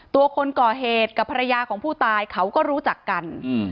ตัวคนก่อเหตุกับภรรยาของผู้ตายเขาก็รู้จักกัน